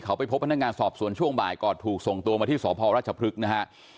เขาไปพบพนักงานสอบสวนช่วงบ่ายก่อนถูกส่งตัวมาที่สพราชพฤกษ์นะฮะ